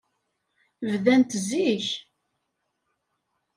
Bdant zik.